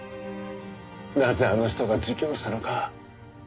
なぜあの人が自供したのか。